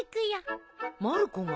まる子が？